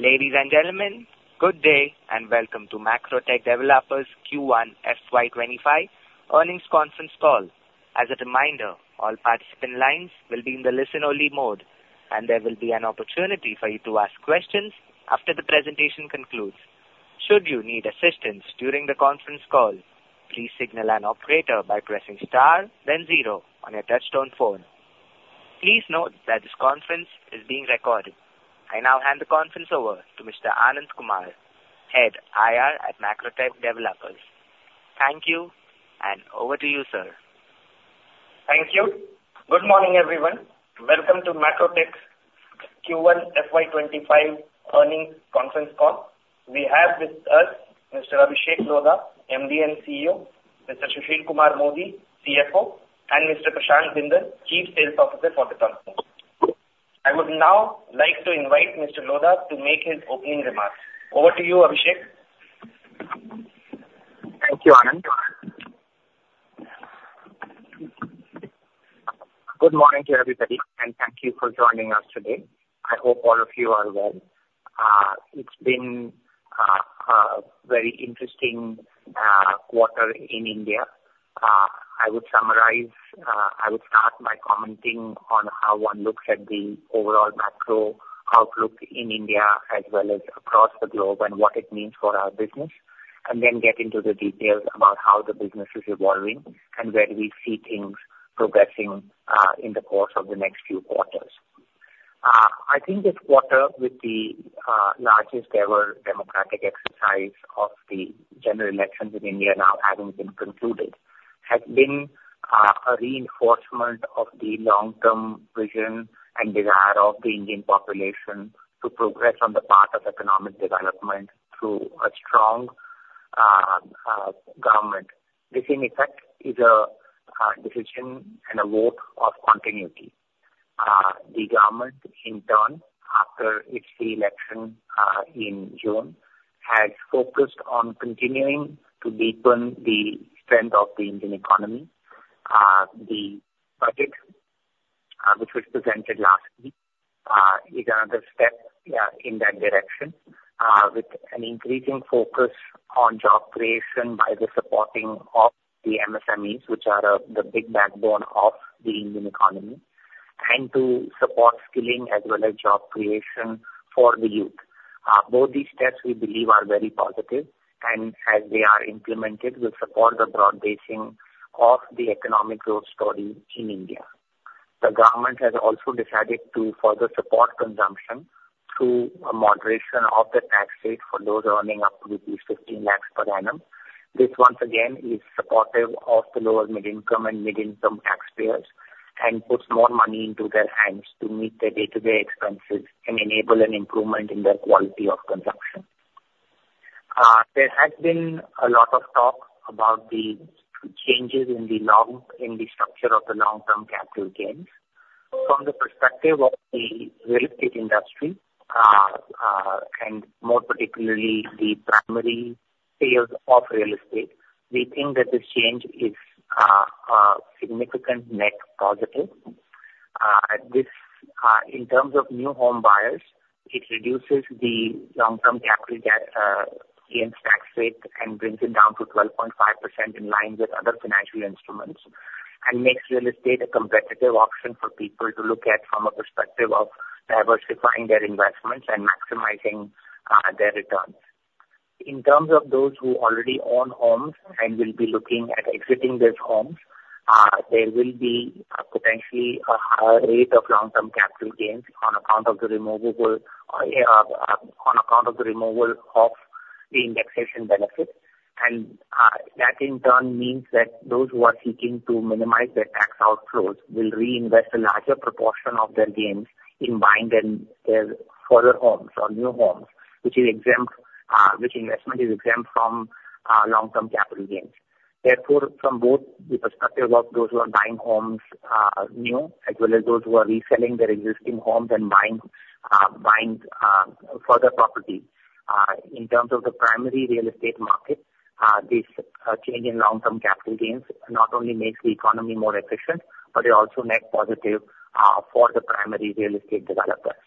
Ladies and gentlemen, good day and welcome to Macrotech Developers Q1 FY25 earnings conference call. As a reminder, all participant lines will be in the listen-only mode, and there will be an opportunity for you to ask questions after the presentation concludes. Should you need assistance during the conference call, please signal an operator by pressing star, then zero on your touch-tone phone. Please note that this conference is being recorded. I now hand the conference over to Mr. Anand Kumar, Head IR at Macrotech Developers. Thank you, and over to you, sir. Thank you. Good morning, everyone. Welcome to Macrotech's Q1 FY25 earnings conference call. We have with us Mr. Abhishek Lodha, MD and CEO, Mr. Sushil Modi, CFO, and Mr. Prashant Bindal, Chief Sales Officer for the company. I would now like to invite Mr. Lodha to make his opening remarks. Over to you, Abhishek. Thank you, Anand. Good morning to everybody, and thank you for joining us today. I hope all of you are well. It's been a very interesting quarter in India. I would summarize, I would start by commenting on how one looks at the overall macro outlook in India, as well as across the globe, and what it means for our business, and then get into the details about how the business is evolving and where we see things progressing in the course of the next few quarters. I think this quarter, with the largest-ever democratic exercise of the general elections in India now having been concluded, has been a reinforcement of the long-term vision and desire of the Indian population to progress on the path of economic development through a strong government. This, in effect, is a decision and a vote of continuity. The government, in turn, after its re-election in June, has focused on continuing to deepen the strength of the Indian economy. The budget, which was presented last week, is another step in that direction, with an increasing focus on job creation by the supporting of the MSMEs, which are the big backbone of the Indian economy, and to support skilling as well as job creation for the youth. Both these steps, we believe, are very positive, and as they are implemented, will support the broad basing of the economic growth story in India. The government has also decided to further support consumption through a moderation of the tax rate for those earning up to at least 15 lakh per annum. This, once again, is supportive of the lower-mid-income and mid-income taxpayers and puts more money into their hands to meet their day-to-day expenses and enable an improvement in their quality of consumption. There has been a lot of talk about the changes in the structure of the long-term capital gains. From the perspective of the real estate industry, and more particularly the primary sales of real estate, we think that this change is a significant net positive. In terms of new home buyers, it reduces the long-term capital gains tax rate and brings it down to 12.5% in line with other financial instruments and makes real estate a competitive option for people to look at from a perspective of diversifying their investments and maximizing their returns. In terms of those who already own homes and will be looking at exiting those homes, there will be potentially a higher rate of long-term capital gains on account of the removal of the indexation benefits. And that, in turn, means that those who are seeking to minimize their tax outflows will reinvest a larger proportion of their gains in buying further homes or new homes, which investment is exempt from long-term capital gains. Therefore, from both the perspective of those who are buying homes new, as well as those who are reselling their existing homes and buying further property, in terms of the primary real estate market, this change in long-term capital gains not only makes the economy more efficient, but it also net positive for the primary real estate developers.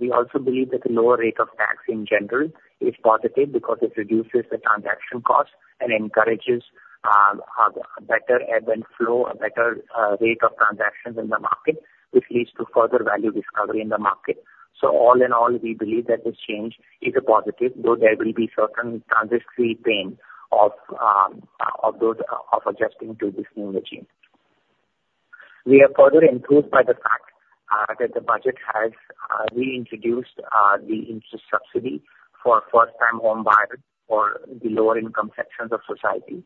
We also believe that the lower rate of tax in general is positive because it reduces the transaction cost and encourages a better ebb and flow, a better rate of transactions in the market, which leads to further value discovery in the market. All in all, we believe that this change is a positive, though there will be certain transitory pain of adjusting to this new regime. We are further enthused by the fact that the budget has reintroduced the interest subsidy for first-time home buyers or the lower-income sections of society.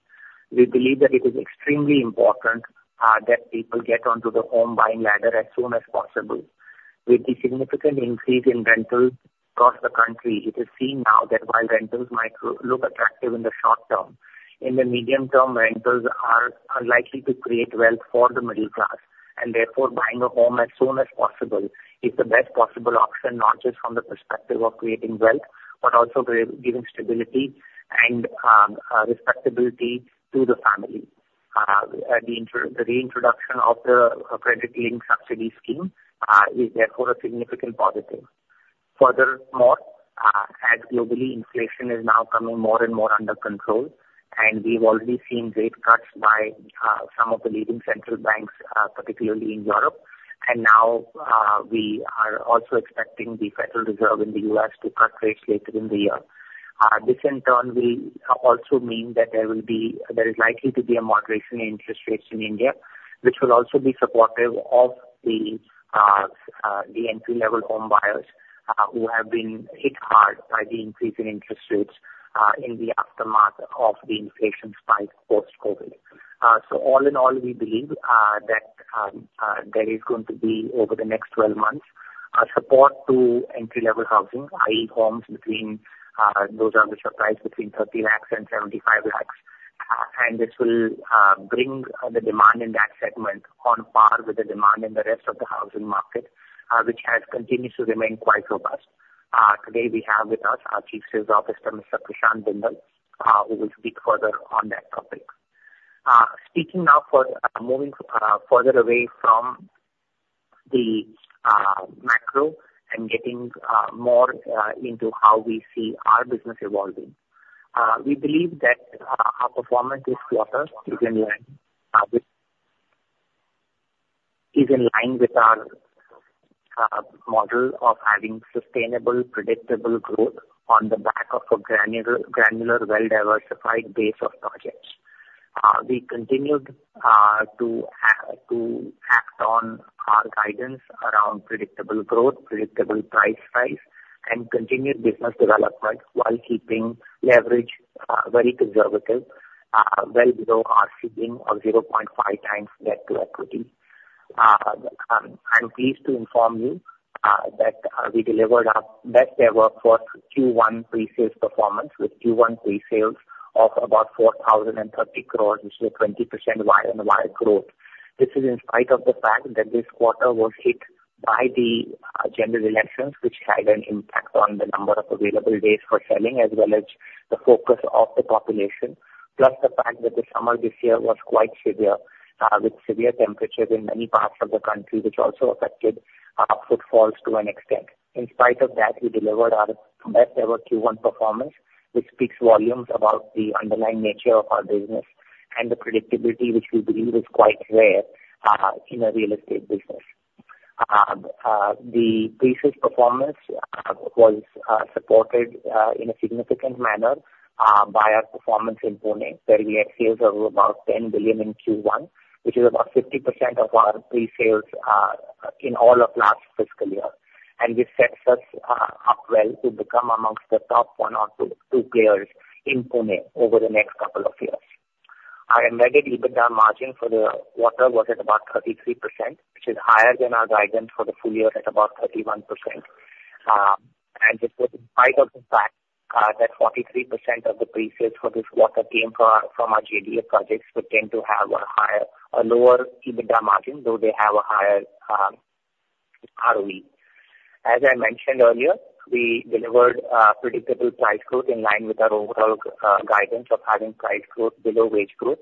We believe that it is extremely important that people get onto the home buying ladder as soon as possible. With the significant increase in rentals across the country, it is seen now that while rentals might look attractive in the short term, in the medium term, rentals are unlikely to create wealth for the middle class, and therefore, buying a home as soon as possible is the best possible option, not just from the perspective of creating wealth, but also giving stability and respectability to the family. The reintroduction of the credit-linked subsidy scheme is therefore a significant positive. Furthermore, as globally, inflation is now coming more and more under control, and we've already seen rate cuts by some of the leading central banks, particularly in Europe, and now we are also expecting the Federal Reserve in the U.S. to cut rates later in the year. This, in turn, will also mean that there is likely to be a moderation in interest rates in India, which will also be supportive of the entry-level home buyers who have been hit hard by the increase in interest rates in the aftermath of the inflation spike post-COVID. So all in all, we believe that there is going to be, over the next 12 months, support to entry-level housing, i.e., homes between those priced between 30 lakhs and 75 lakhs, and this will bring the demand in that segment on par with the demand in the rest of the housing market, which has continued to remain quite robust. Today, we have with us our Chief Sales Officer, Mr. Prashant Bindal, who will speak further on that topic. Speaking now for moving further away from the macro and getting more into how we see our business evolving, we believe that our performance this quarter is in line with our model of having sustainable, predictable growth on the back of a granular, well-diversified base of projects. We continued to act on our guidance around predictable growth, predictable price rise, and continued business development while keeping leverage very conservative, well below our ceiling of 0.5x debt to equity. I'm pleased to inform you that we delivered our best ever Q1 pre-sales performance with Q1 pre-sales of about 4,030 crores, which is a 20% year-on-year growth. This is in spite of the fact that this quarter was hit by the general elections, which had an impact on the number of available days for selling, as well as the focus of the population, plus the fact that the summer this year was quite severe, with severe temperatures in many parts of the country, which also affected our footfalls to an extent. In spite of that, we delivered our best ever Q1 performance, which speaks volumes about the underlying nature of our business and the predictability, which we believe is quite rare in a real estate business. The pre-sales performance was supported in a significant manner by our performance in Pune, where we had sales of about 10 billion in Q1, which is about 50% of our pre-sales in all of last fiscal year, and this sets us up well to become amongst the top one or two players in Pune over the next couple of years. Our embedded EBITDA margin for the quarter was at about 33%, which is higher than our guidance for the full year at about 31%. Despite the fact that 43% of the pre-sales for this quarter came from our JDA projects, we tend to have a lower EBITDA margin, though they have a higher ROE. As I mentioned earlier, we delivered predictable price growth in line with our overall guidance of having price growth below wage growth.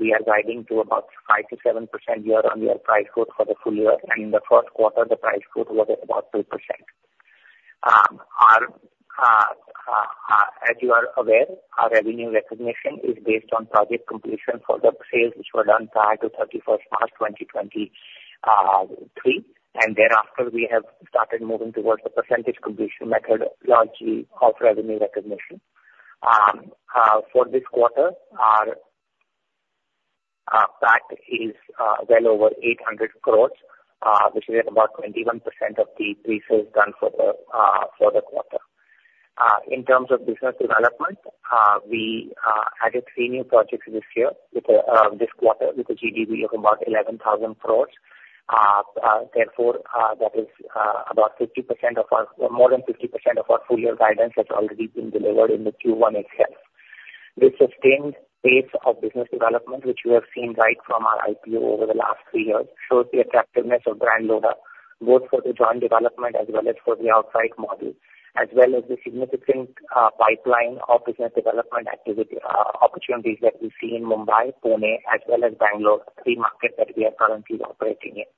We are guiding to about 5%-7% year-on-year price growth for the full year, and in the first quarter, the price growth was at about 2%. As you are aware, our revenue recognition is based on project completion for the sales which were done prior to 31st March 2023, and thereafter, we have started moving towards the percentage completion methodology of revenue recognition. For this quarter, our PAT is well over 800 crore, which is at about 21% of the pre-sales done for the quarter. In terms of business development, we added 3 new projects this quarter with a GDV of about 11,000 crore. Therefore, that is about more than 50% of our full-year guidance has already been delivered in the Q1 itself. This sustained pace of business development, which we have seen right from our IPO over the last three years, shows the attractiveness of Brand Lodha, both for the joint development as well as for the outside model, as well as the significant pipeline of business development opportunities that we see in Mumbai, Pune, as well as Bangalore, three markets that we are currently operating in.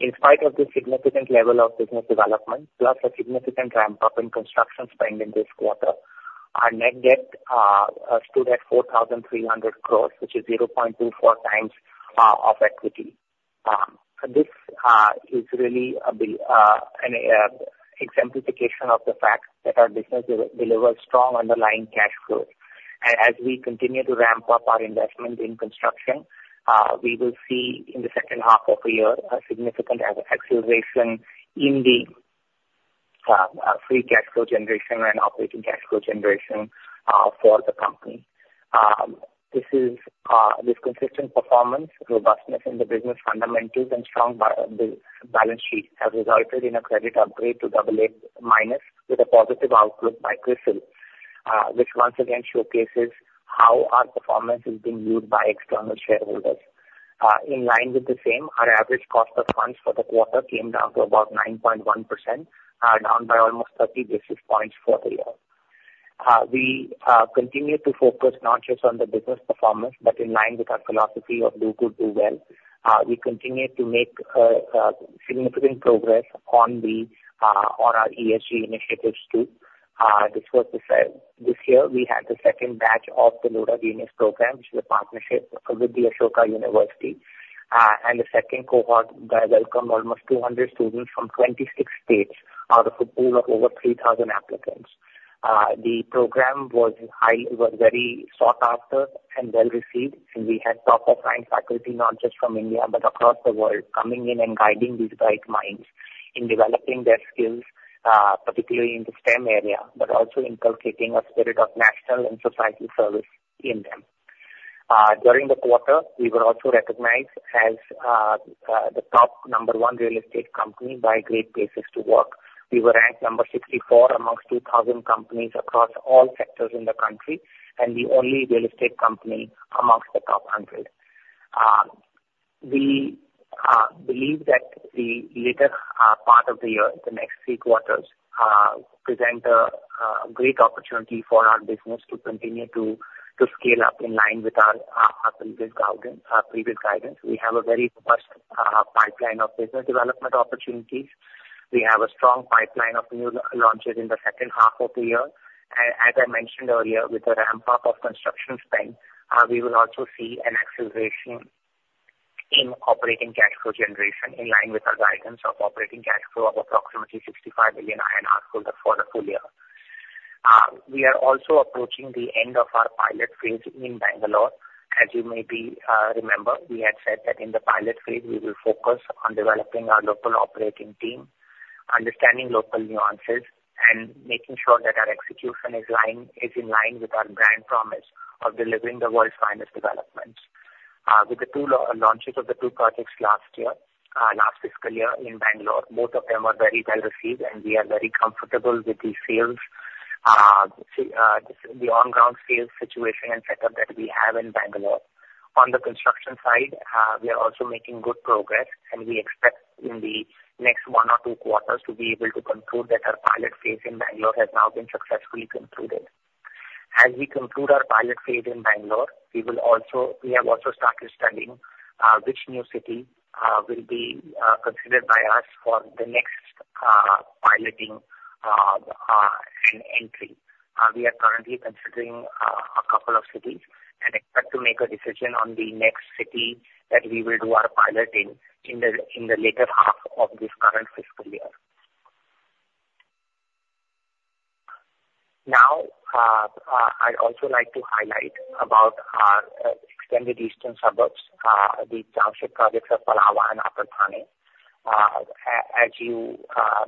In spite of this significant level of business development, plus a significant ramp-up in construction spend in this quarter, our net debt stood at 4,300 crores, which is 0.24 times of equity. This is really an exemplification of the fact that our business delivers strong underlying cash flows. As we continue to ramp up our investment in construction, we will see in the H2 of the year a significant acceleration in the free cash flow generation and operating cash flow generation for the company. This consistent performance, robustness in the business fundamentals, and strong balance sheet have resulted in a credit upgrade to AA- with a positive outlook by CRISIL, which once again showcases how our performance is being viewed by external shareholders. In line with the same, our average cost of funds for the quarter came down to about 9.1%, down by almost 30 basis points for the year. We continue to focus not just on the business performance, but in line with our philosophy of do good, do well. We continue to make significant progress on our ESG initiatives too. This year, we had the second batch of the Lodha Genius Programme, which is a partnership with Ashoka University, and the second cohort welcomed almost 200 students from 26 states out of a pool of over 3,000 applicants. The program was very sought after and well received, and we had top-of-mind faculty not just from India but across the world coming in and guiding these bright minds in developing their skills, particularly in the STEM area, but also inculcating a spirit of national and societal service in them. During the quarter, we were also recognized as the top number one real estate company by Great Place to Work. We were ranked number 64 amongst 2,000 companies across all sectors in the country and the only real estate company amongst the top 100. We believe that the later part of the year, the next three quarters, present a great opportunity for our business to continue to scale up in line with our previous guidance. We have a very robust pipeline of business development opportunities. We have a strong pipeline of new launches in the second half of the year. As I mentioned earlier, with the ramp-up of construction spend, we will also see an acceleration in operating cash flow generation in line with our guidance of operating cash flow of approximately 65 million INR for the full year. We are also approaching the end of our pilot phase in Bangalore. As you may remember, we had said that in the pilot phase, we will focus on developing our local operating team, understanding local nuances, and making sure that our execution is in line with our brand promise of delivering the world's finest developments. With the two launches of the two projects last year, last fiscal year in Bangalore, both of them were very well received, and we are very comfortable with the on-ground sales situation and setup that we have in Bangalore. On the construction side, we are also making good progress, and we expect in the next one or two quarters to be able to conclude that our pilot phase in Bangalore has now been successfully concluded. As we conclude our pilot phase in Bangalore, we have also started studying which new city will be considered by us for the next piloting and entry. We are currently considering a couple of cities and expect to make a decision on the next city that we will do our pilot in in the later half of this current fiscal year. Now, I'd also like to highlight about our extended eastern suburbs, the township projects of Palava and Upper Thane. As you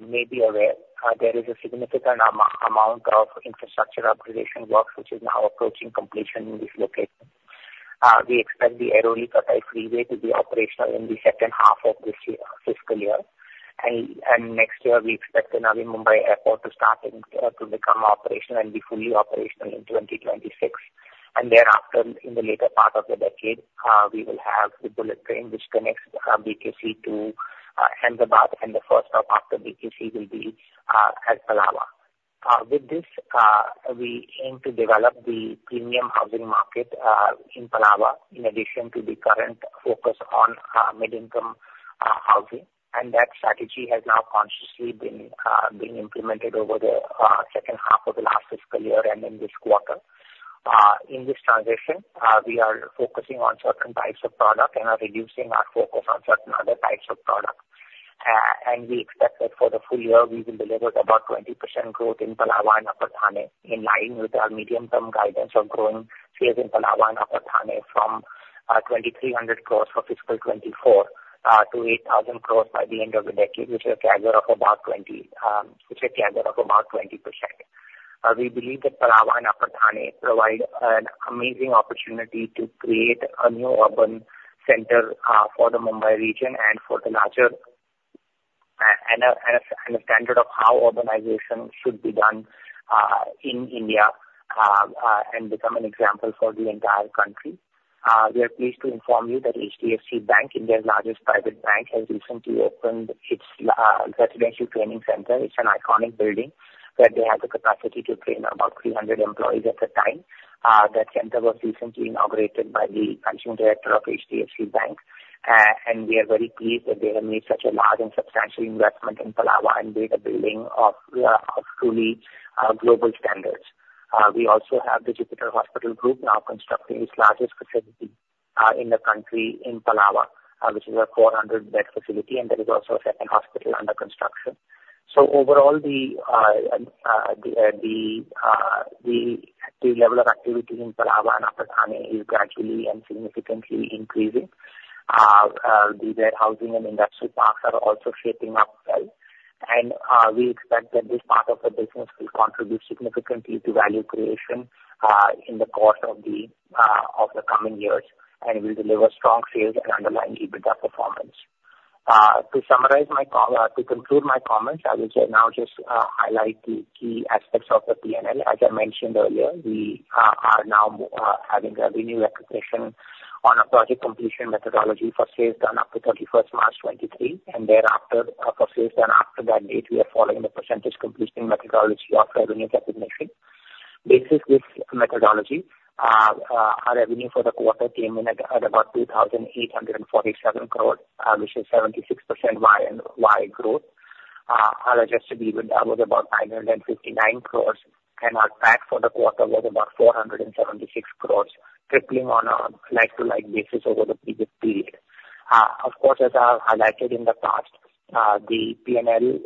may be aware, there is a significant amount of infrastructure upgradation work, which is now approaching completion in this location. We expect the Airoli-Katai Freeway to be operational in the H2 of this fiscal year, and next year, we expect the Navi Mumbai Airport to start to become operational and be fully operational in 2026. And thereafter, in the later part of the decade, we will have the bullet train, which connects BKC to Ahmedabad, and the first stop after BKC will be at Palava. With this, we aim to develop the premium housing market in Palava in addition to the current focus on mid-income housing, and that strategy has now consciously been implemented over the second half of the last fiscal year and in this quarter. In this transition, we are focusing on certain types of product and are reducing our focus on certain other types of product. We expect that for the full year, we will deliver about 20% growth in Palava and Upper Thane in line with our medium-term guidance of growing sales in Palava and Upper Thane from 2,300 crores for fiscal 2024 to 8,000 crores by the end of the decade, which is a CAGR of about 20%. We believe that Palava and Upper Thane provide an amazing opportunity to create a new urban center for the Mumbai region and for the larger and a standard of how urbanization should be done in India and become an example for the entire country. We are pleased to inform you that HDFC Bank, India's largest private bank, has recently opened its residential training center. It's an iconic building where they had the capacity to train about 300 employees at the time. That center was recently inaugurated by the Managing Director of HDFC Bank, and we are very pleased that they have made such a large and substantial investment in Palava and made a building of truly global standards. We also have the Jupiter Hospital Group now constructing its largest facility in the country in Palava, which is a 400-bed facility, and there is also a second hospital under construction. So overall, the level of activity in Palava and Upper Thane is gradually and significantly increasing. The warehousing and industrial parks are also shaping up well, and we expect that this part of the business will contribute significantly to value creation in the course of the coming years and will deliver strong sales and underlying EBITDA performance. To conclude my comments, I will now just highlight the key aspects of the P&L. As I mentioned earlier, we are now having revenue recognition on a project completion methodology for sales done up to March 31st 2023, and thereafter, for sales done after that date, we are following the percentage completion methodology of revenue recognition. Based on this methodology, our revenue for the quarter came in at about 2,847 crores, which is 76% YoY growth. Our adjusted EBITDA was about 959 crore, and our PAT for the quarter was about 476 crore, tripling on a like-to-like basis over the previous period. Of course, as I highlighted in the past, the P&L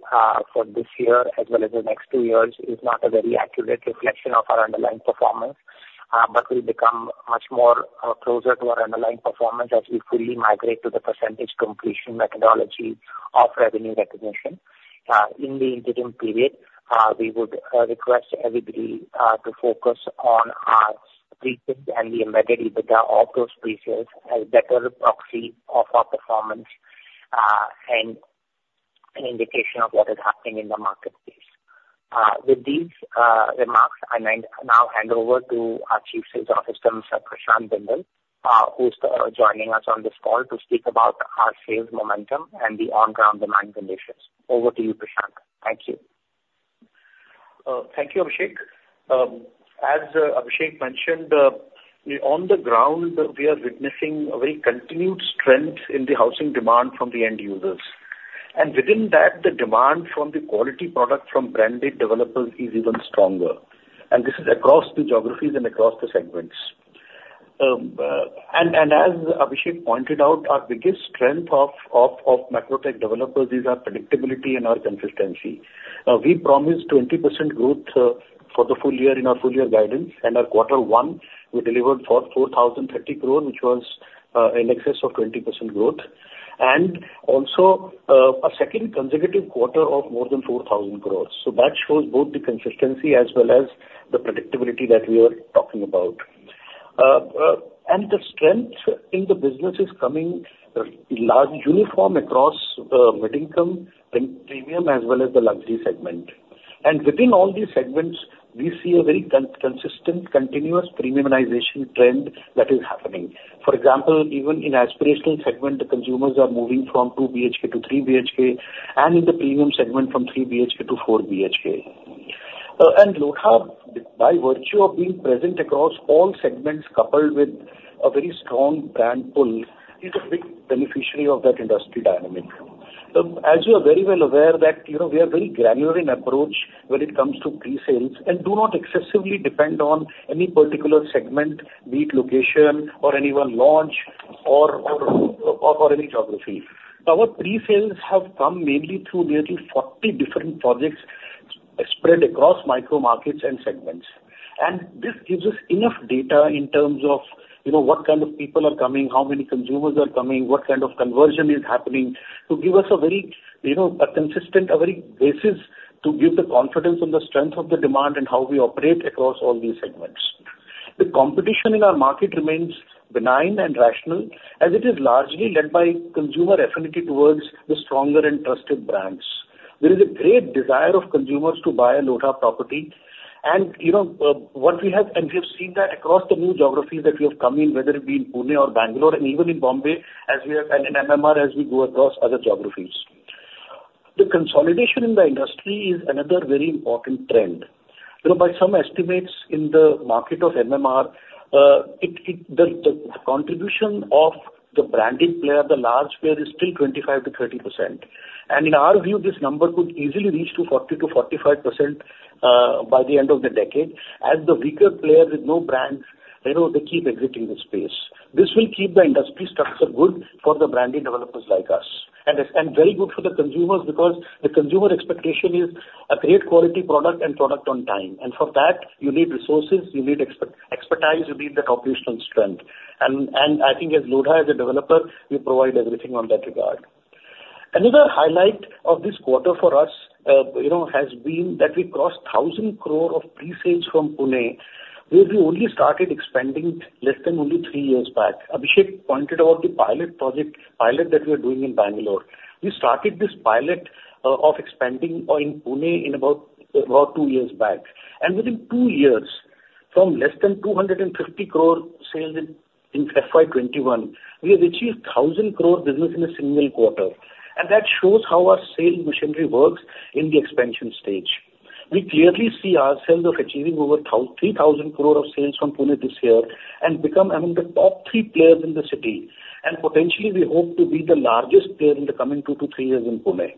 for this year as well as the next two years is not a very accurate reflection of our underlying performance, but we'll become much closer to our underlying performance as we fully migrate to the percentage completion methodology of revenue recognition. In the interim period, we would request everybody to focus on our pre-sales and the embedded EBITDA of those pre-sales as better proxies of our performance and an indication of what is happening in the marketplace. With these remarks, I now hand over to our Chief Sales Officer, Prashant Bindal, who's joining us on this call to speak about our sales momentum and the on-ground demand conditions. Over to you, Prashant. Thank you. Thank you, Abhishek. As Abhishek mentioned, on the ground, we are witnessing a very continued strength in the housing demand from the end users. And within that, the demand for the quality product from branded developers is even stronger, and this is across the geographies and across the segments. And as Abhishek pointed out, our biggest strength of, of Macrotech Developers is our predictability and our consistency. We promised 20% growth for the full year in our full-year guidance, and our quarter one, we delivered 4,030 crores, which was in excess of 20% growth, and also a second consecutive quarter of more than 4,000 crores. So that shows both the consistency as well as the predictability that we were talking about. And the strength in the business is coming uniform across mid-income, premium, as well as the luxury segment. Within all these segments, we see a very consistent continuous premiumization trend that is happening. For example, even in aspirational segment, the consumers are moving from 2BHK to 3BHK, and in the premium segment from 3BHK to 4BHK. And Lodha, by virtue of being present across all segments coupled with a very strong brand pull, is a big beneficiary of that industry dynamic. As you are very well aware that we have a very granular approach when it comes to pre-sales and do not excessively depend on any particular segment, be it location or anyone launch or any geography. Our pre-sales have come mainly through nearly 40 different projects spread across micro markets and segments. This gives us enough data in terms of what kind of people are coming, how many consumers are coming, what kind of conversion is happening, to give us a very consistent, a very basis to give the confidence in the strength of the demand and how we operate across all these segments. The competition in our market remains benign and rational as it is largely led by consumer affinity towards the stronger and trusted brands. There is a great desire of consumers to buy a Lodha property, and what we have seen that across the new geographies that we have come in, whether it be in Pune or Bangalore and even in Mumbai, as we have an MMR as we go across other geographies. The consolidation in the industry is another very important trend. By some estimates in the market of MMR, the contribution of the branded player, the large player, is still 25%-30%. In our view, this number could easily reach to 40%-45% by the end of the decade as the weaker player with no brands, they keep exiting the space. This will keep the industry structure good for the branded developers like us and very good for the consumers because the consumer expectation is a great quality product and product on time. For that, you need resources, you need expertise, you need that operational strength. I think as Lodha, as a developer, we provide everything on that regard. Another highlight of this quarter for us has been that we crossed 1,000 crore of pre-sales from Pune, where we only started expanding less than only three years back. Abhishek pointed out the pilot project that we are doing in Bangalore. We started this pilot of expanding in Pune about two years back. Within two years, from less than 250 crore sales in FY 2021, we have achieved 1,000 crore business in a single quarter. That shows how our sales machinery works in the expansion stage. We clearly see ourselves achieving over 3,000 crore of sales from Pune this year and become among the top three players in the city. Potentially, we hope to be the largest player in the coming 2-3 years in Pune.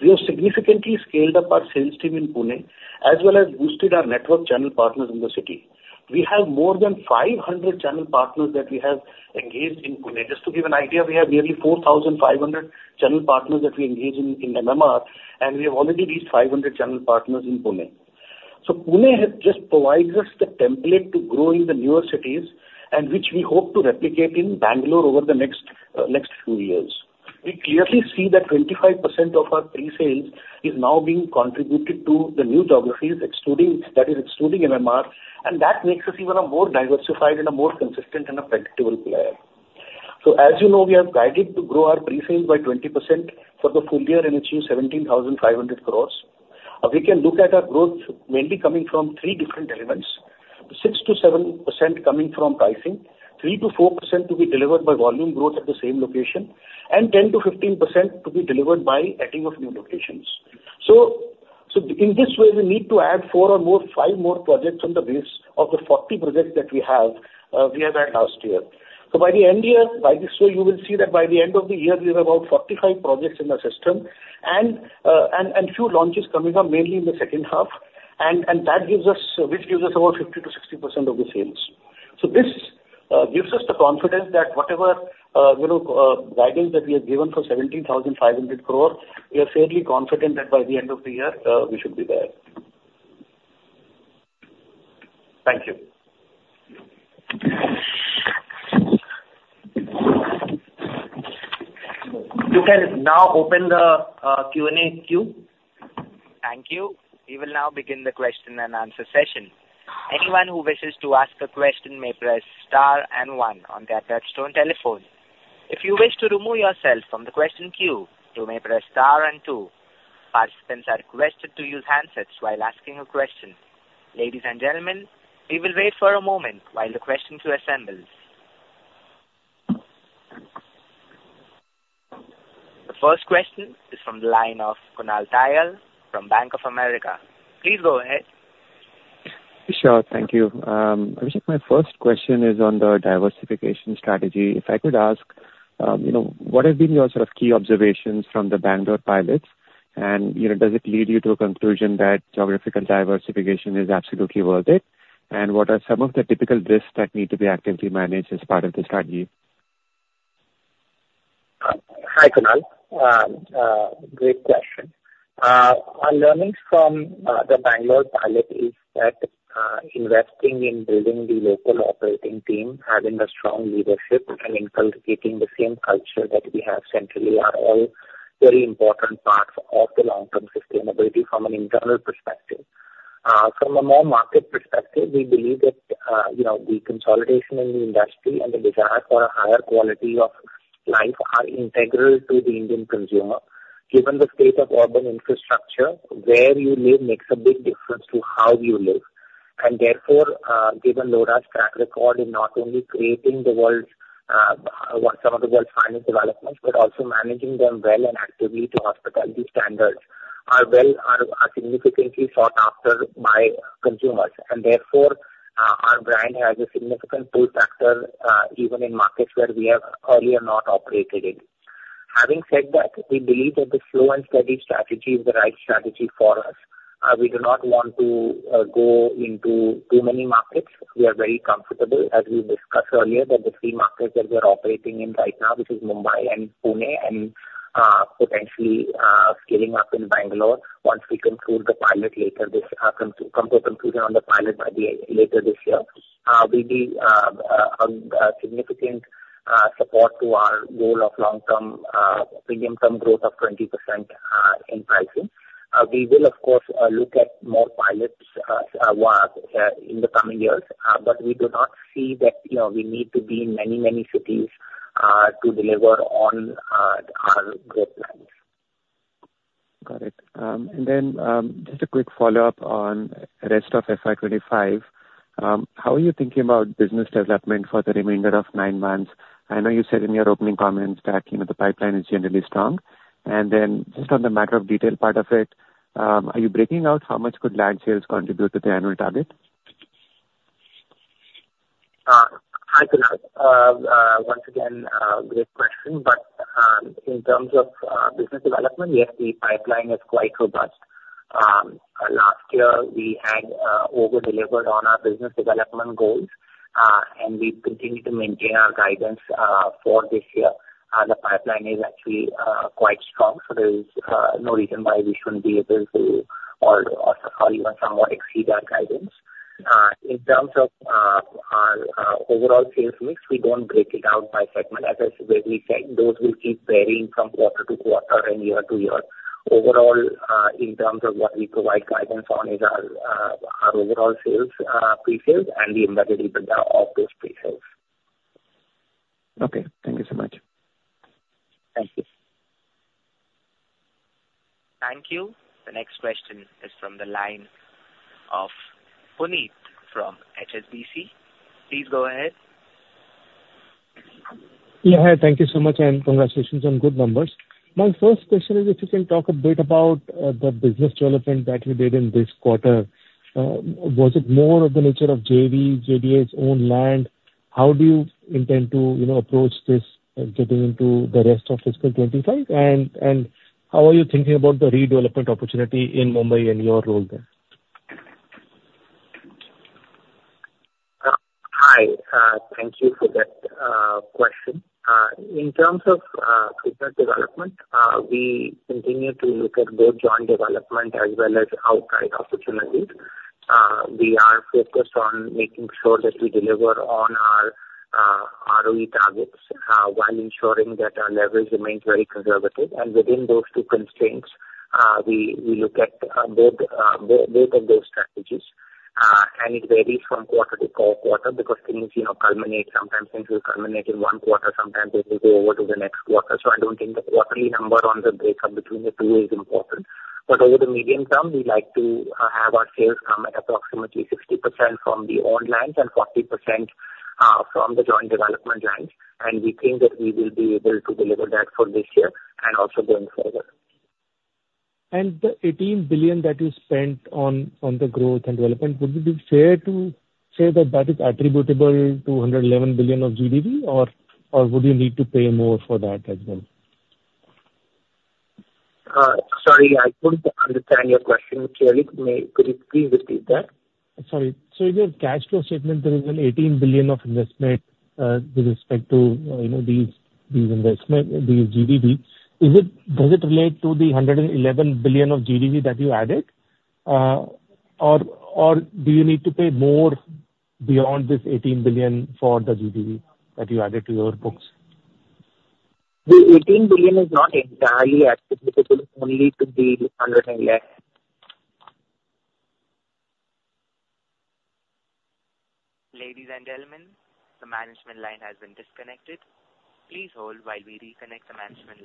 We have significantly scaled up our sales team in Pune as well as boosted our network channel partners in the city. We have more than 500 channel partners that we have engaged in Pune. Just to give an idea, we have nearly 4,500 channel partners that we engage in MMR, and we have already reached 500 channel partners in Pune. So Pune just provides us the template to grow in the newer cities, which we hope to replicate in Bangalore over the next few years. We clearly see that 25% of our pre-sales is now being contributed to the new geographies, that is excluding MMR, and that makes us even more diversified and a more consistent and a predictable player. So as you know, we have guided to grow our pre-sales by 20% for the full year and achieve 17,500 crore. We can look at our growth mainly coming from three different elements: 6%-7% coming from pricing, 3%-4% to be delivered by volume growth at the same location, and 10%-15% to be delivered by adding of new locations. So in this way, we need to add 4 or 5 more projects on the base of the 40 projects that we have had last year. So by the end year, by this way, you will see that by the end of the year, we have about 45 projects in the system and a few launches coming up mainly in the second half, which gives us about 50%-60% of the sales. So this gives us the confidence that whatever guidance that we have given for 17,500 crore, we are fairly confident that by the end of the year, we should be there. Thank you. You can now open the Q&A queue. Thank you. We will now begin the question and answer session. Anyone who wishes to ask a question may press star and one on the touch-tone telephone. If you wish to remove yourself from the question queue, you may press star and two. Participants are requested to use handsets while asking a question. Ladies and gentlemen, we will wait for a moment while the question queue assembles. The first question is from the line of Kunal Tayal from Bank of America. Please go ahead. Sure. Thank you. Abhishek, my first question is on the diversification strategy. If I could ask, what have been your sort of key observations from the Bangalore pilots? And does it lead you to a conclusion that geographical diversification is absolutely worth it? And what are some of the typical risks that need to be actively managed as part of the strategy? Hi, Kunal. Great question. Our learnings from the Bangalore pilot is that investing in building the local operating team, having a strong leadership, and inculcating the same culture that we have centrally are all very important parts of the long-term sustainability from an internal perspective. From a more market perspective, we believe that the consolidation in the industry and the desire for a higher quality of life are integral to the Indian consumer. Given the state of urban infrastructure, where you live makes a big difference to how you live. And therefore, given Lodha's track record in not only creating some of the world's finest developments but also managing them well and actively to hospitality standards, our worlds are significantly sought after by consumers. And therefore, our brand has a significant pull factor even in markets where we have earlier not operated in. Having said that, we believe that the slow and steady strategy is the right strategy for us. We do not want to go into too many markets. We are very comfortable, as we discussed earlier, that the three markets that we are operating in right now, which is Mumbai and Pune and potentially scaling up in Bangalore, once we conclude the pilot later this year, we will be a significant support to our goal of long-term premium growth of 20% in pricing. We will, of course, look at more pilots in the coming years, but we do not see that we need to be in many, many cities to deliver on our growth plans. Got it. And then just a quick follow-up on rest of FY2025. How are you thinking about business development for the remainder of nine months? I know you said in your opening comments that the pipeline is generally strong. And then just on the matter of detail part of it, are you breaking out how much could land sales contribute to the annual target? Hi, Kunal. Once again, great question. But in terms of business development, yes, the pipeline is quite robust. Last year, we had over-delivered on our business development goals, and we've continued to maintain our guidance for this year. The pipeline is actually quite strong, so there is no reason why we shouldn't be able to, or even somewhat exceed our guidance. In terms of our overall sales mix, we don't break it out by segment. As I said, those will keep varying from quarter to quarter and year to year. Overall, in terms of what we provide guidance on is our overall sales, pre-sales, and the embedded EBITDA of those pre-sales. Okay. Thank you so much. Thank you. Thank you. The next question is from the line of Puneet from HSBC. Please go ahead. Yeah. Hi. Thank you so much, and congratulations on good numbers. My first question is if you can talk a bit about the business development that you did in this quarter. Was it more of the nature of JV, JDA's own land? How do you intend to approach this getting into the rest of fiscal 2025? And how are you thinking about the redevelopment opportunity in Mumbai and your role there? Hi. Thank you for that question. In terms of business development, we continue to look at both joint development as well as outside opportunities. We are focused on making sure that we deliver on our ROE targets while ensuring that our leverage remains very conservative. Within those two constraints, we look at both of those strategies. It varies from quarter to quarter because things culminate sometimes into a culminating one quarter. Sometimes it will go over to the next quarter. I don't think the quarterly number on the breakup between the two is important. Over the medium term, we like to have our sales come at approximately 60% from the owned lands and 40% from the joint development lands. We think that we will be able to deliver that for this year and also going forward. The 18 billion that you spent on the growth and development, would it be fair to say that that is attributable to 111 billion of GDV, or would you need to pay more for that as well? Sorry, I couldn't understand your question clearly. Could you please repeat that? Sorry. So in your cash flow statement, there is 18 billion of investment with respect to these investments, these GDV. Does it relate to the 111 billion of GDV that you added, or do you need to pay more beyond this 18 billion for the GDV that you added to your books? The 18 billion is not entirely attributable only to the 111. Ladies and gentlemen, the management line has been disconnected. Please hold while we reconnect the management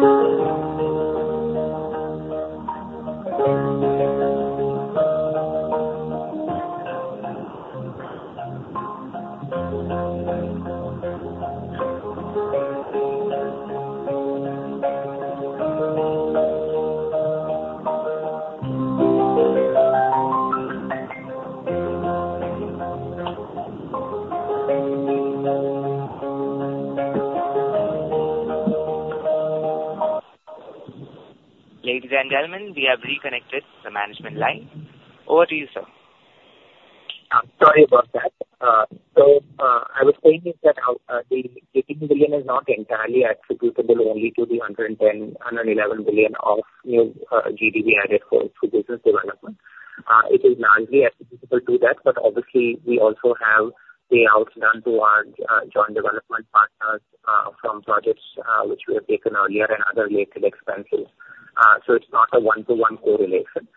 line. Ladies and gentlemen, we have reconnected the management line. Over to you, sir. Sorry about that. So I was saying that the 18 billion is not entirely attributable only to the 111 billion of new GDV added for business development. It is largely attributable to that, but obviously, we also have payouts done to our joint development partners from projects which we have taken earlier and other related expenses. It's not a one-to-one correlation.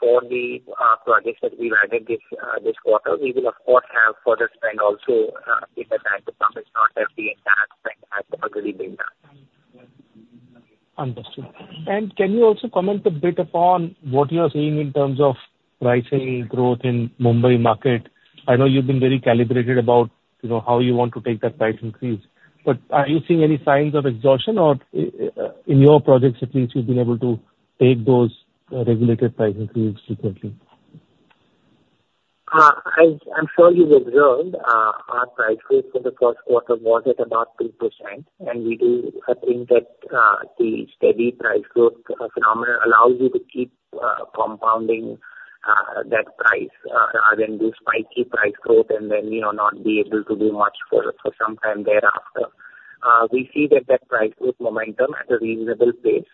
For the projects that we've added this quarter, we will, of course, have further spend also in the bank account. It's not that the entire spend has already been done. Understood. Can you also comment a bit upon what you are seeing in terms of pricing growth in Mumbai market? I know you've been very calibrated about how you want to take that price increase, but are you seeing any signs of exhaustion, or in your projects, at least, you've been able to take those regulated price increases frequently? As I'm sure you've observed, our price growth for the first quarter was at about 2%. We do think that the steady price growth phenomenon allows you to keep compounding that price rather than do spiky price growth and then not be able to do much for some time thereafter. We see that that price growth momentum at a reasonable pace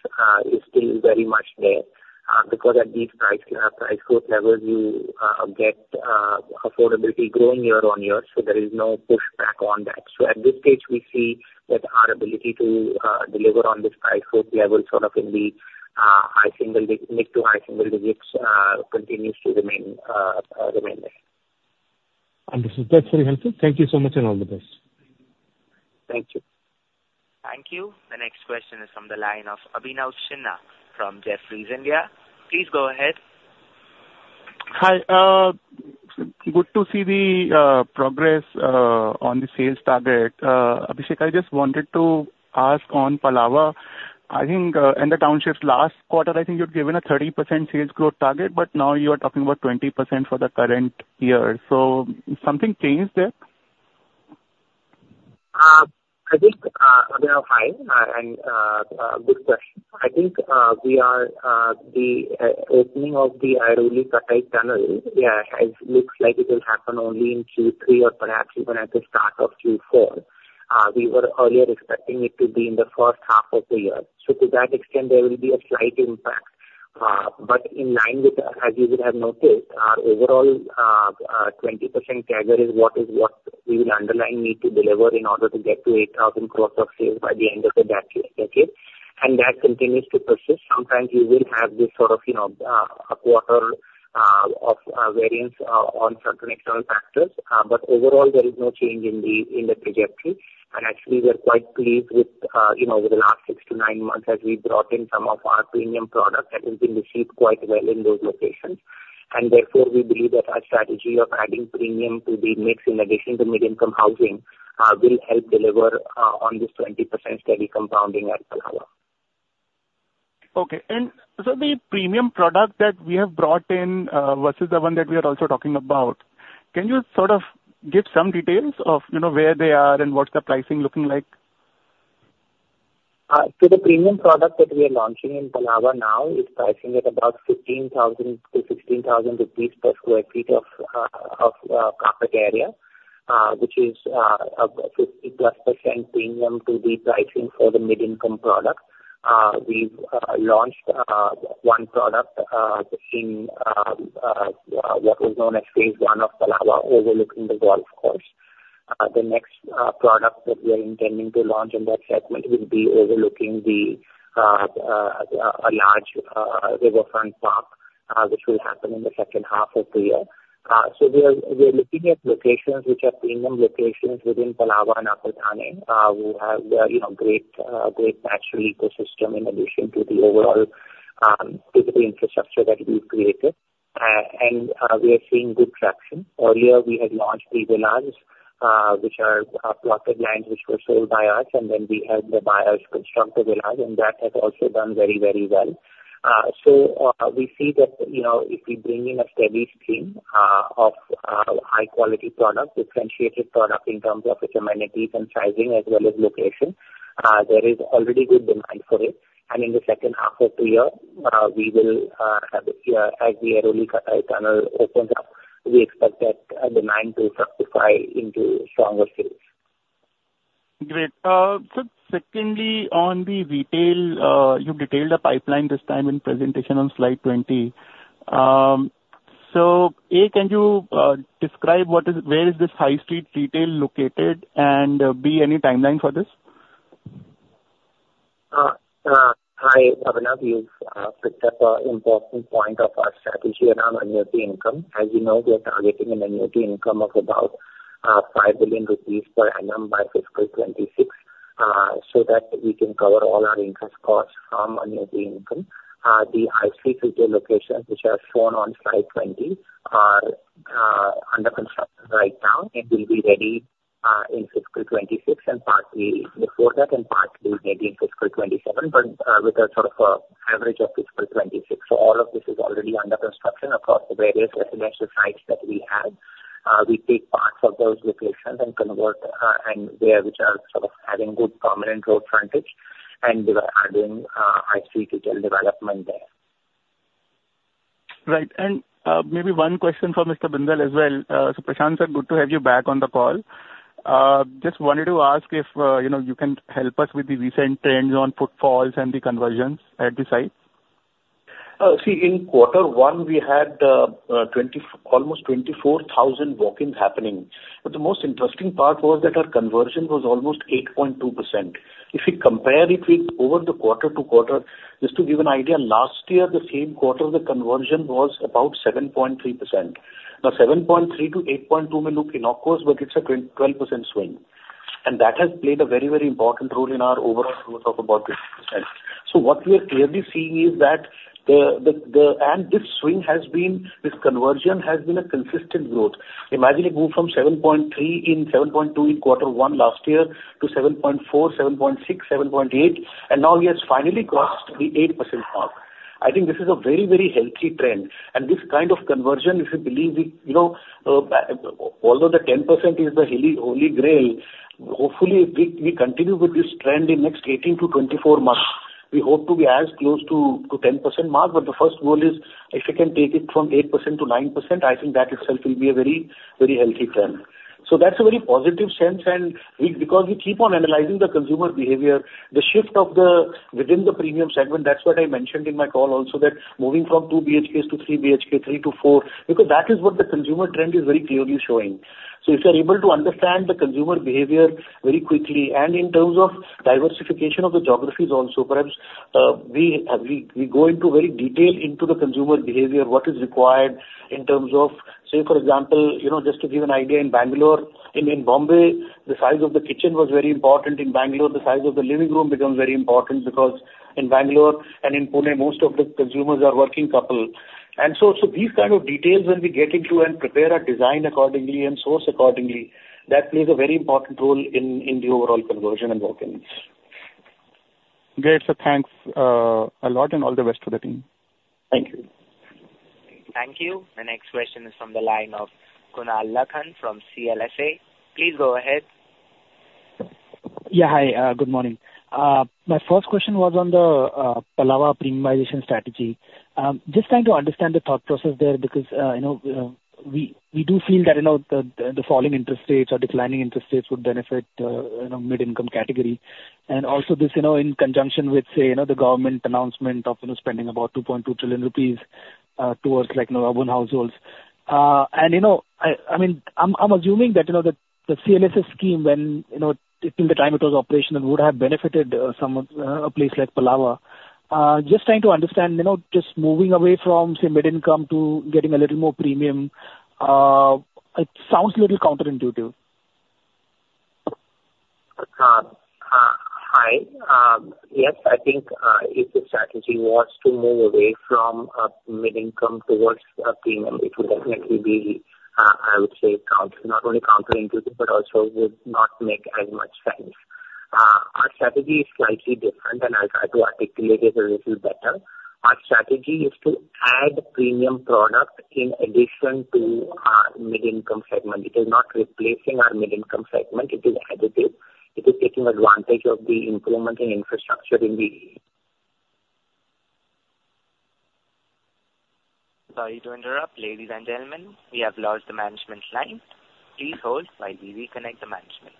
is still very much there because at these price growth levels, you get affordability growing year-on-year, so there is no pushback on that. So at this stage, we see that our ability to deliver on this price growth level sort of in the mid to high single digits continues to remain there. Understood. That's very helpful. Thank you so much and all the best. Thank you. Thank you. The next question is from the line of Abhinav Sinha from Jefferies India. Please go ahead. Hi. Good to see the progress on the sales target. Abhishek, I just wanted to ask on Palava. I think in the townships last quarter, I think you had given a 30% sales growth target, but now you are talking about 20% for the current year. So something changed there? I think, Abhinav, hi, and good question. I think the opening of the Airoli-Katai tunnel looks like it will happen only in Q3 or perhaps even at the start of Q4. We were earlier expecting it to be in the first half of the year. So to that extent, there will be a slight impact. But in line with, as you would have noticed, our overall 20% target is what we will underline need to deliver in order to get to 8,000 crore of sales by the end of the decade. And that continues to persist. Sometimes you will have this sort of a quarter of variance on certain external factors. But overall, there is no change in the trajectory. And actually, we are quite pleased with the last six to nine months as we brought in some of our premium products that have been received quite well in those locations. And therefore, we believe that our strategy of adding premium to the mix in addition to mid-income housing will help deliver on this 20% steady compounding at Palava. Okay. And so the premium product that we have brought in versus the one that we are also talking about, can you sort of give some details of where they are and what's the pricing looking like? So the premium product that we are launching in Palava now is pricing at about 15,000-16,000 rupees per sq ft of carpet area, which is a 50%+ premium to the pricing for the mid-income product. We've launched one product in what was known as phase I of Palava, overlooking the golf course. The next product that we are intending to launch in that segment will be overlooking a large riverfront park, which will happen in the H2 of the year. So we are looking at locations which are premium locations within Palava and Upper Thane, who have great natural ecosystem in addition to the overall infrastructure that we've created. And we are seeing good traction. Earlier, we had launched the villas, which are plotted lands, which were sold by us, and then we had the buyers construct the villas, and that has also done very, very well. So we see that if we bring in a steady stream of high-quality product, differentiated product in terms of its amenities and sizing as well as location, there is already good demand for it. In the H2 of the year, as the Airoli-Katai tunnel opens up, we expect that demand to flow into stronger sales. Great. So secondly, on the retail, you've detailed the pipeline this time in presentation on slide 20. So A, can you describe where is this high-street retail located? And B, any timeline for this? Hi. Abhinav, you've picked up an important point of our strategy around annuity income. As you know, we are targeting an annuity income of about 5 billion rupees per annum by fiscal 2026 so that we can cover all our interest costs from annuity income. The high-street retail locations, which are shown on slide 20, are under construction right now. It will be ready in fiscal 2026, and partly before that, and partly maybe in fiscal 2027, but with a sort of average of fiscal 2026. So all of this is already under construction across the various residential sites that we have. We take parts of those locations and convert and which are sort of having good permanent growth frontage, and we are adding high-street retail development there. Right. And maybe one question for Mr. Bindal as well. So Prashant sir, good to have you back on the call. Just wanted to ask if you can help us with the recent trends on footfalls and the conversions at the site. See, in quarter one, we had almost 24,000 walk-ins happening. But the most interesting part was that our conversion was almost 8.2%. If you compare it with over the quarter-over-quarter, just to give an idea, last year, the same quarter, the conversion was about 7.3%. Now, 7.3%-8.2% may look innocuous, but it's a 12% swing. That has played a very, very important role in our overall growth of about 50%. So what we are clearly seeing is that this swing has been, this conversion has been, a consistent growth. Imagine it moved from 7.3% in quarter one last year to 7.4%, 7.6%, 7.8%, and now we have finally crossed the 8% mark. I think this is a very, very healthy trend. And this kind of conversion, if you believe, although the 10% is the holy grail, hopefully, if we continue with this trend in the next 18-24 months, we hope to be as close to the 10% mark. But the first goal is if you can take it from 8%-9%, I think that itself will be a very, very healthy trend. So that's a very positive sense. And because we keep on analyzing the consumer behavior, the shift within the premium segment, that's what I mentioned in my call also, that moving from 2 BHKs to 3 BHK, 3 to 4, because that is what the consumer trend is very clearly showing. So if you're able to understand the consumer behavior very quickly and in terms of diversification of the geographies also, perhaps we go into very detail into the consumer behavior, what is required in terms of, say, for example, just to give an idea, in Bombay, the size of the kitchen was very important. In Bangalore, the size of the living room becomes very important because in Bangalore and in Pune, most of the consumers are working couples. And so these kind of details, when we get into and prepare a design accordingly and source accordingly, that plays a very important role in the overall conversion and walk-ins. Great. So thanks a lot and all the best to the team. Thank you. Thank you. The next question is from the line of Kunal Lakhan from CLSA. Please go ahead. Yeah. Hi. Good morning. My first question was on the Palava premiumization strategy. Just trying to understand the thought process there because we do feel that the falling interest rates or declining interest rates would benefit the mid-income category. And also this in conjunction with, say, the government announcement of spending about 2.2 trillion rupees towards urban households. And I mean, I'm assuming that the CLSS scheme, when it's in the time it was operational, would have benefited a place like Palava. Just trying to understand, just moving away from, say, mid-income to getting a little more premium, it sounds a little counterintuitive. Hi. Yes, I think if the strategy was to move away from mid-income towards premium, it would definitely be, I would say, not only counterintuitive but also would not make as much sense. Our strategy is slightly different, and I'll try to articulate it a little better. Our strategy is to add premium product in addition to our mid-income segment. It is not replacing our mid-income segment. It is additive. It is taking advantage of the improvement in infrastructure in the. Sorry to interrupt. Ladies and gentlemen, we have lost the management line. Please hold while we reconnect the management.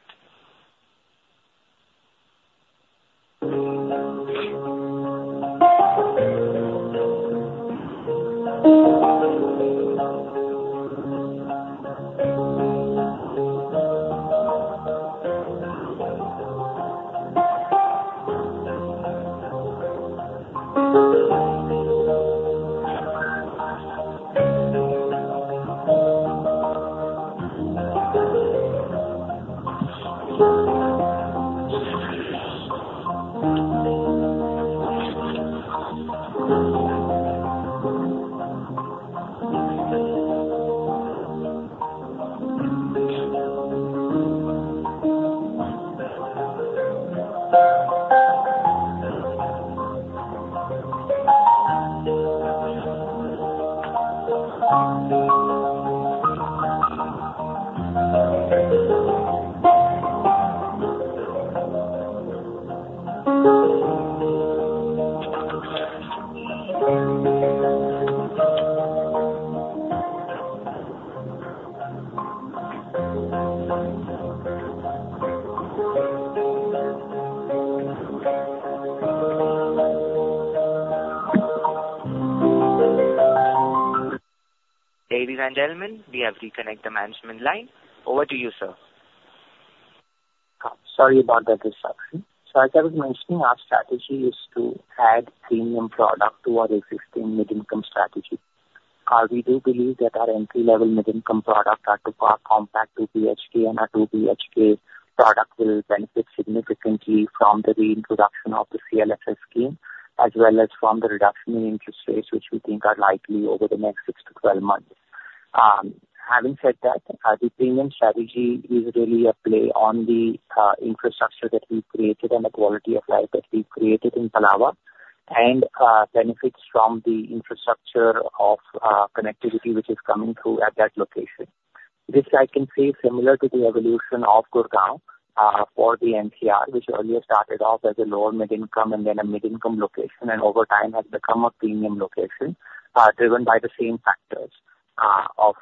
Ladies and gentlemen, we have reconnected the management line. Over to you, sir. Sorry about the disruption. So I kept mentioning our strategy is to add premium product to our existing mid-income strategy. We do believe that our entry-level mid-income product, our 2-part compact 2BHK and our 2BHK product, will benefit significantly from the reintroduction of the CLSS scheme as well as from the reduction in interest rates, which we think are likely over the next 6-12 months. Having said that, the premium strategy is really a play on the infrastructure that we've created and the quality of life that we've created in Palava and benefits from the infrastructure of connectivity which is coming through at that location. This, I can say, is similar to the evolution of Gurgaon for the NCR, which earlier started off as a lower mid-income and then a mid-income location and over time has become a premium location driven by the same factors of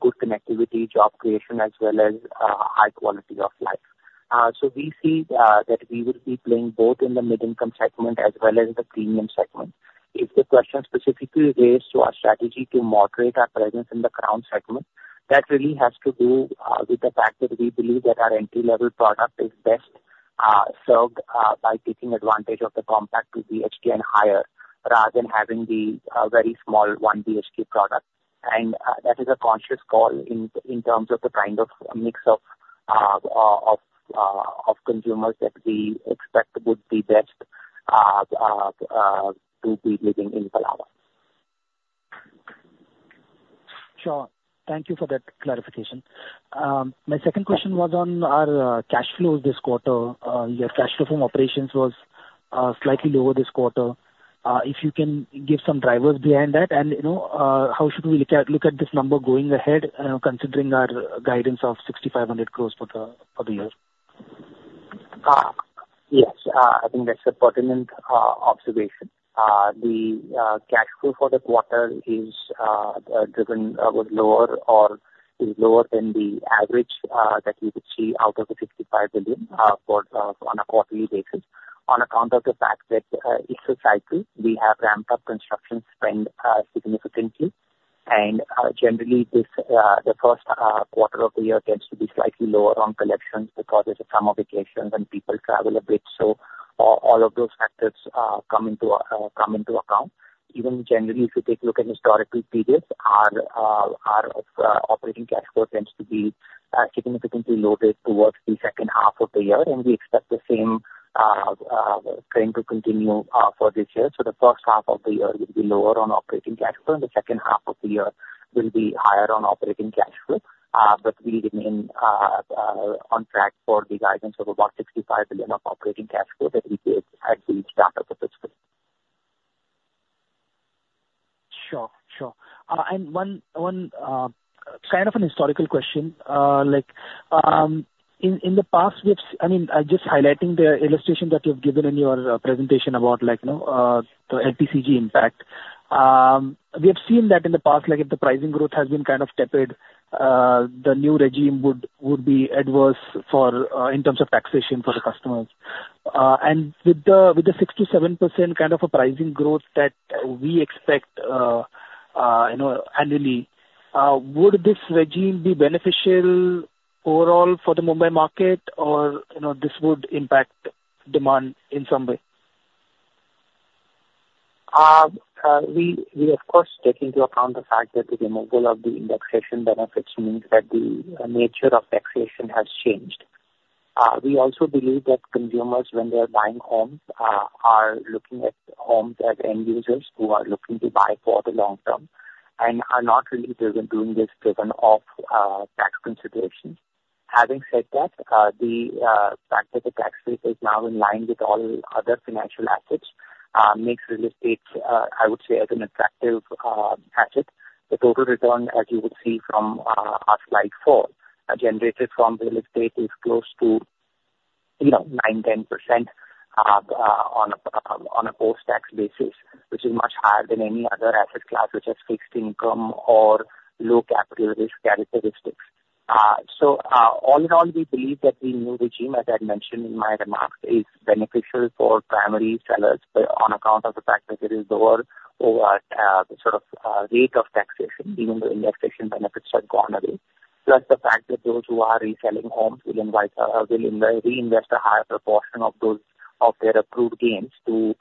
good connectivity, job creation, as well as high quality of life. So we see that we will be playing both in the mid-income segment as well as the premium segment. If the question specifically relates to our strategy to moderate our presence in the Crown segment, that really has to do with the fact that we believe that our entry-level product is best served by taking advantage of the compact 2 BHK and higher rather than having the very small 1 BHK product. That is a conscious call in terms of the kind of mix of consumers that we expect would be best to be living in Palava. Sure. Thank you for that clarification. My second question was on our cash flows this quarter. Your cash flow from operations was slightly lower this quarter. If you can give some drivers behind that, and how should we look at this number going ahead considering our guidance of 6,500 crore per year? Yes. I think that's a pertinent observation. The cash flow for the quarter is driven lower or is lower than the average that we would see out of the 55 billion on a quarterly basis on account of the fact that it's a cycle. We have ramped up construction spend significantly. And generally, the first quarter of the year tends to be slightly lower on collections because there's a summer vacation when people travel a bit. So all of those factors come into account. Even generally, if you take a look at historical periods, our operating cash flow tends to be significantly lowered towards the second half of the year. We expect the same trend to continue for this year. So the H1 of the year will be lower on operating cash flow, and the H2 of the year will be higher on operating cash flow. But we remain on track for the guidance of about 65 billion of operating cash flow that we did at the start of the fiscal. Sure. Sure. And one kind of a historical question. In the past, I mean, just highlighting the illustration that you've given in your presentation about the LTCG impact, we have seen that in the past, if the pricing growth has been kind of tepid, the new regime would be adverse in terms of taxation for the customers. With the 6%-7% kind of pricing growth that we expect annually, would this regime be beneficial overall for the Mumbai market, or this would impact demand in some way? We, of course, take into account the fact that the removal of the indexation benefits means that the nature of taxation has changed. We also believe that consumers, when they are buying homes, are looking at homes as end users who are looking to buy for the long term and are not really driven doing this driven off tax considerations. Having said that, the fact that the tax rate is now in line with all other financial assets makes real estate, I would say, as an attractive asset. The total return, as you would see from our slide 4, generated from real estate is close to 9%-10% on a post-tax basis, which is much higher than any other asset class which has fixed income or low capital risk characteristics. So all in all, we believe that the new regime, as I had mentioned in my remarks, is beneficial for primary sellers on account of the fact that it is lower over the sort of rate of taxation, even though indexation benefits have gone away. Plus the fact that those who are reselling homes will reinvest a higher proportion of their approved gains to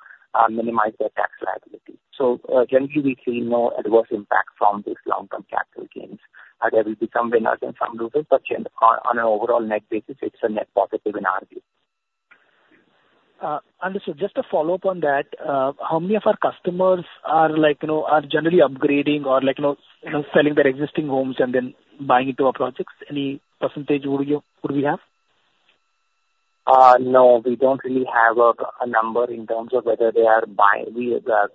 minimize their tax liability. So generally, we see no adverse impact from these long-term capital gains. There will be some winners and some losers, but on an overall net basis, it's a net positive in our view. Understood. Just to follow up on that, how many of our customers are generally upgrading or selling their existing homes and then buying into our projects? Any percentage would we have? No. We don't really have a number in terms of whether they are buying with us.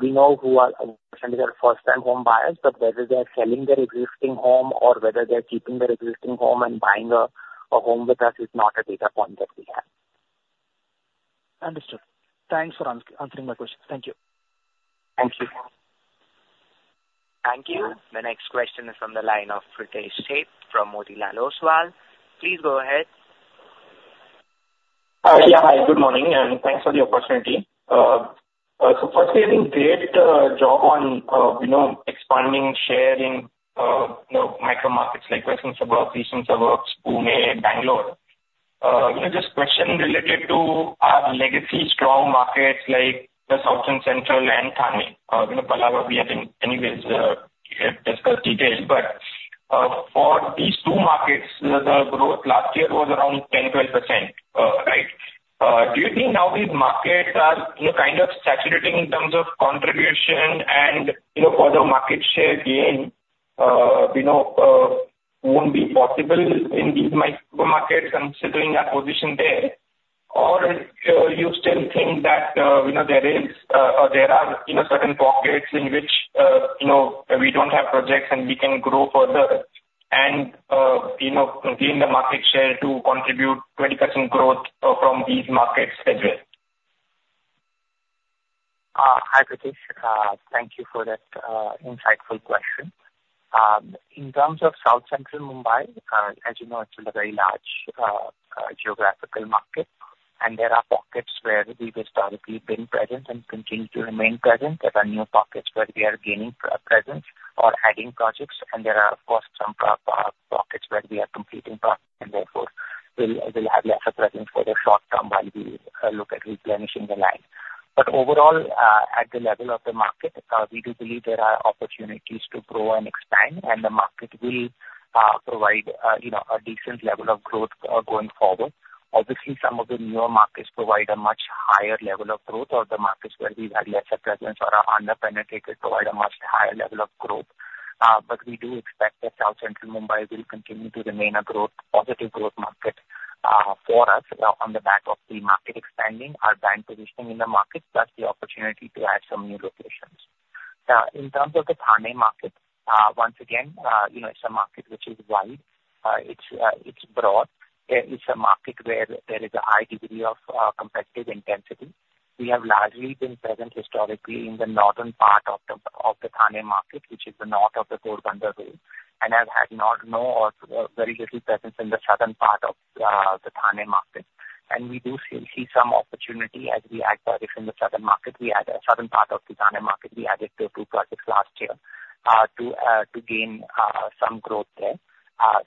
We know who are essentially our first-time home buyers, but whether they are selling their existing home or whether they are keeping their existing home and buying a home with us is not a data point that we have. Understood. Thanks for answering my question. Thank you. Thank you. Thank you. The next question is from the line of Pritesh Sheth from Motilal Oswal. Please go ahead. Yeah. Hi. Good morning. And thanks for the opportunity. So firstly, I think great job on expanding share in micro markets like Western Suburbs, Eastern Suburbs, Pune, Bangalore. Just a question related to our legacy strong markets like the South and Central and Thane. Palava, we have anyways discussed details. But for these two markets, the growth last year was around 10%-12%, right? Do you think now these markets are kind of saturating in terms of contribution and further market share gain won't be possible in these micro markets considering that position there? Or you still think that there are certain pockets in which we don't have projects and we can grow further and gain the market share to contribute 20% growth from these markets as well? Hi, Pritesh. Thank you for that insightful question. In terms of South Central Mumbai, as you know, it's a very large geographical market. There are pockets where we've historically been present and continue to remain present. There are new pockets where we are gaining presence or adding projects. There are, of course, some pockets where we are completing projects and therefore will have lesser presence for the short term while we look at replenishing the line. Overall, at the level of the market, we do believe there are opportunities to grow and expand, and the market will provide a decent level of growth going forward. Obviously, some of the newer markets provide a much higher level of growth, or the markets where we've had lesser presence or are under-penetrated provide a much higher level of growth. We do expect that South Central Mumbai will continue to remain a positive growth market for us on the back of the market expanding, our bank positioning in the market, plus the opportunity to add some new locations. Now, in terms of the Thane market, once again, it's a market which is wide. It's broad. It's a market where there is a high degree of competitive intensity. We have largely been present historically in the northern part of the Thane market, which is the north of the Ghodbunder Road, and have had very little presence in the southern part of the Thane market. We do see some opportunity as we add projects in the southern market. The southern part of the Thane market, we added two projects last year to gain some growth there.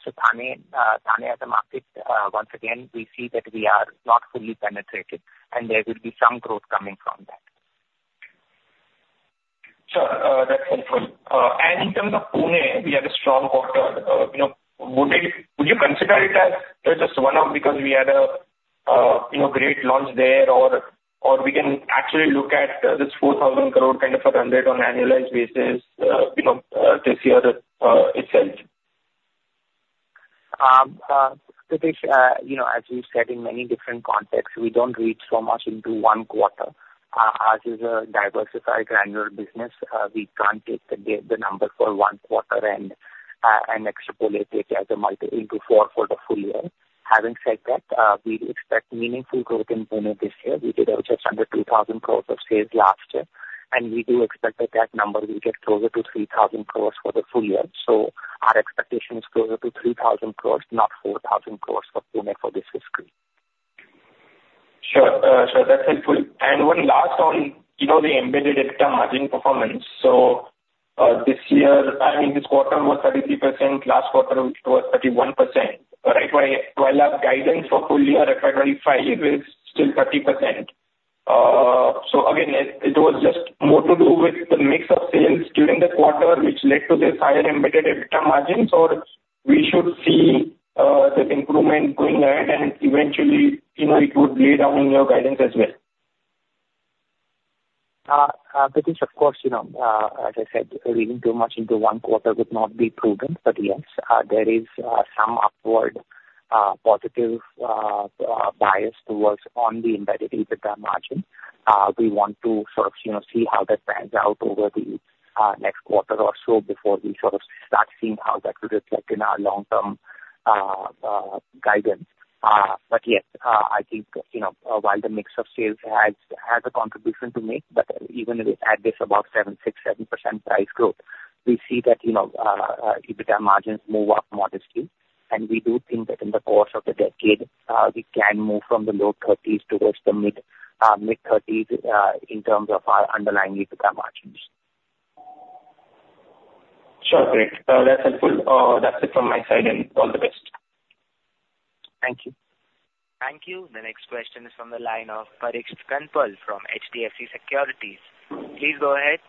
So Thane as a market, once again, we see that we are not fully penetrated, and there will be some growth coming from that. Sure. That's helpful. In terms of Pune, we have a strong quarter. Would you consider it as just one of because we had a great launch there, or we can actually look at this 4,000 crore kind of a run rate on an annualized basis this year itself? Pritesh, as you said, in many different contexts, we don't reach so much into one quarter. As a diversified granular business, we can't take the number for one quarter and extrapolate it into four for the full year. Having said that, we expect meaningful growth in Pune this year. We did just under 2,000 crores of sales last year. And we do expect at that number, we get closer to 3,000 crores for the full year. So our expectation is closer to 3,000 crores, not 4,000 crores for Pune for this fiscal. Sure. Sure. That's helpful. And one last on the embedded EBITDA margin performance. So this year, I mean, this quarter was 33%. Last quarter, it was 31%, right? While our guidance for full year at 2025 is still 30%. So again, it was just more to do with the mix of sales during the quarter, which led to this higher embedded EBITDA margins, or we should see this improvement going ahead and eventually it would lay down in your guidance as well? Pritesh, of course, as I said, reading too much into one quarter would not be proven. But yes, there is some upward positive bias towards on the embedded EBITDA margin. We want to sort of see how that pans out over the next quarter or so before we sort of start seeing how that could reflect in our long-term guidance. But yes, I think while the mix of sales has a contribution to make, but even if we add this about 6%-7% price growth, we see that EBITDA margins move up modestly. And we do think that in the course of the decade, we can move from the low 30s towards the mid 30s in terms of our underlying EBITDA margins. Sure. Great. That's helpful. That's it from my side, and all the best. Thank you. Thank you. The next question is from the line of Parikshit Kandpal from HDFC Securities. Please go ahead.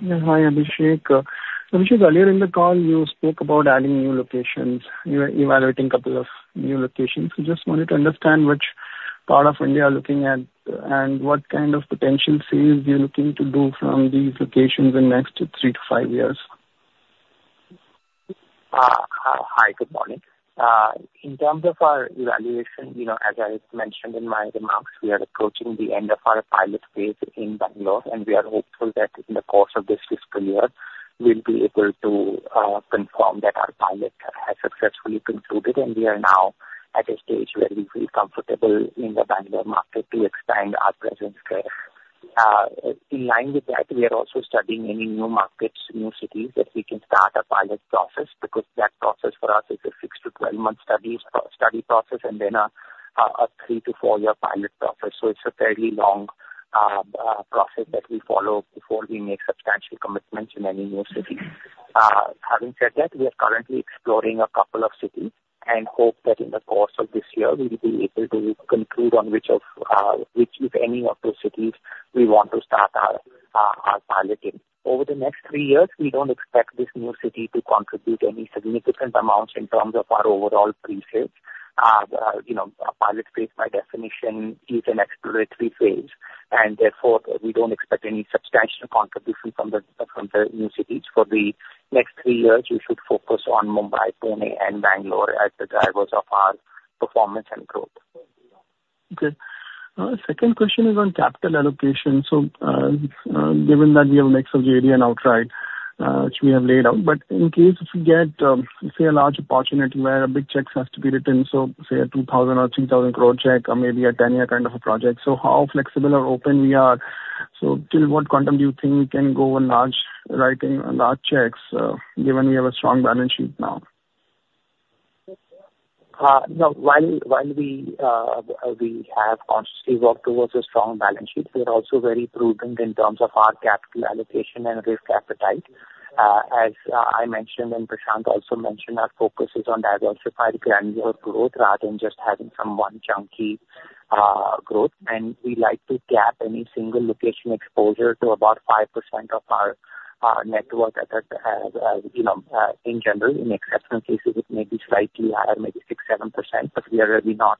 Hi, Abhishek. Abhishek, earlier in the call, you spoke about adding new locations, evaluating a couple of new locations. I just wanted to understand which part of India you're looking at and what kind of potential sales you're looking to do from these locations in the next 3-5 years. Hi. Good morning. In terms of our evaluation, as I mentioned in my remarks, we are approaching the end of our pilot phase in Bangalore, and we are hopeful that in the course of this fiscal year, we'll be able to confirm that our pilot has successfully concluded. And we are now at a stage where we feel comfortable in the Bangalore market to expand our presence there. In line with that, we are also studying any new markets, new cities that we can start a pilot process because that process for us is a 6-12-month study process and then a 3-4-year pilot process. So it's a fairly long process that we follow before we make substantial commitments in any new cities. Having said that, we are currently exploring a couple of cities and hope that in the course of this year, we'll be able to conclude on which, if any, of those cities we want to start our pilot in. Over the next three years, we don't expect this new city to contribute any significant amounts in terms of our overall pre-sales. A pilot phase, by definition, is an exploratory phase, and therefore, we don't expect any substantial contribution from the new cities. For the next three years, we should focus on Mumbai, Pune, and Bangalore as the drivers of our performance and growth. Okay. Second question is on capital allocation. So given that we have a mix of JD and outright, which we have laid out, but in case we get, say, a large opportunity where a big check has to be written, so say an 2,000 crore or 3,000 crore check, maybe a 10-year kind of a project, so how flexible or open we are? So till what quantum do you think we can go on large writing and large checks, given we have a strong balance sheet now? While we have consciously worked towards a strong balance sheet, we are also very prudent in terms of our capital allocation and risk appetite. As I mentioned and Prashant also mentioned, our focus is on diversified granular growth rather than just having some one chunky growth. And we like to cap any single location exposure to about 5% of our net worth in general. In exceptional cases, it may be slightly higher, maybe 6%-7%, but we are really not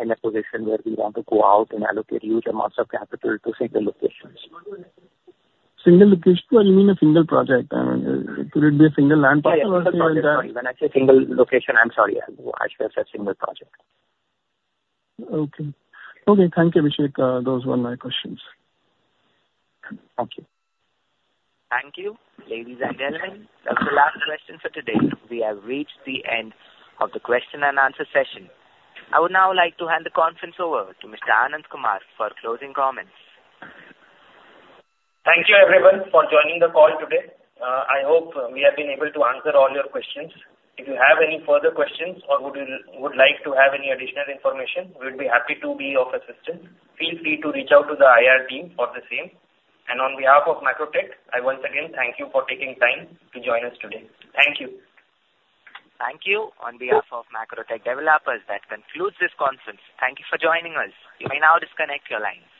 in a position where we want to go out and allocate huge amounts of capital to single locations. Single location, you mean a single project? Could it be a single land parcel or something like that? Sorry. When I say single location, I'm sorry. I should have said single project. Okay. Okay. Thank you, Abhishek. Those were my questions. Thank you. Thank you, ladies and gentlemen. That's the last question for today. We have reached the end of the question and answer session. I would now like to hand the conference over to Mr. Anand Kumar for closing comments. Thank you, everyone, for joining the call today. I hope we have been able to answer all your questions. If you have any further questions or would like to have any additional information, we would be happy to be of assistance. Feel free to reach out to the IR team for the same. On behalf of Macrotech, I once again thank you for taking time to join us today. Thank you. Thank you. On behalf of Macrotech Developers, that concludes this conference. Thank you for joining us. You may now disconnect your lines.